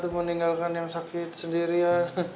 meninggalkan yang sakit sendirian